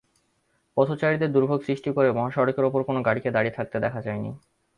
পথচারীদের দুর্ভোগ সৃষ্টি করে মহাসড়কের ওপর কোনো গাড়িকে দাঁড়িয়ে থাকতে দেখা যায়নি।